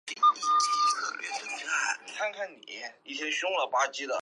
龙飙立即解救眼前这个叫田秋凤。